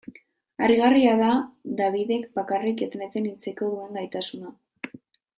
Harrigarria da Dabidek bakarrik entretenitzeko duen gaitasuna.